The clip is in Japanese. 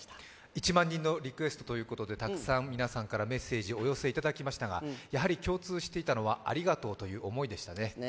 １万人のリクエストということでたくさん皆さんからメッセージをお寄せいただきましたが、やはり共通していたのはありがとうという思いですね。